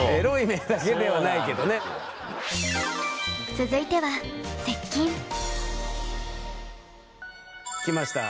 続いては来ました。